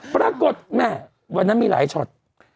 ปรากฏแม่วันนั้นมีหลายช็อต